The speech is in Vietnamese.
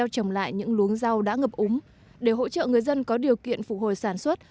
trồng lại những luống rau đã ngập úng để hỗ trợ người dân có điều kiện phục hồi sản xuất